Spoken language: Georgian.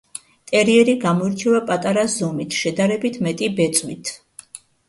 ტერიერი გამოირჩევა პატარა ზომით, შედარებით მეტი ბეწვით.